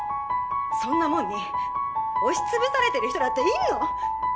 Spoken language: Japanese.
そんなもんに押しつぶされてる人だっているの！